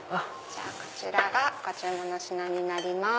こちらがご注文の品になります。